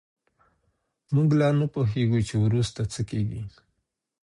موږ لا نه پوهېږو چې وروسته څه کېږي.